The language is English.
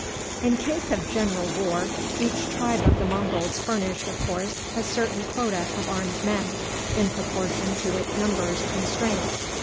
In case of general war, each tribe of the Monguls furnished, of course, a certain quota of armed men, in proportion to its numbers and strength.